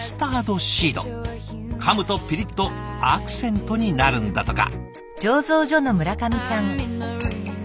かむとピリッとアクセントになるんだとか。